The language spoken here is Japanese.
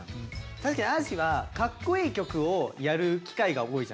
確かにあじはかっこいい曲をやる機会が多いじゃない。